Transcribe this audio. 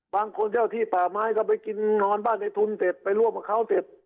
บางคนเจ้าที่ป่าไม้ก็ไปกินนอนบ้านในทุนเสร็จไปร่วมกับเขาเสร็จ